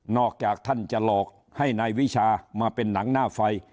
จากท่านจะหลอกให้นายวิชามาเป็นหนังหน้าไฟ